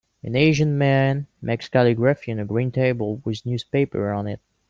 An Asian man makes calligraphy on a green table with newspaper on it.